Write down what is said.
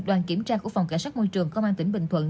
đoàn kiểm tra của phòng cảnh sát môi trường công an tỉnh bình thuận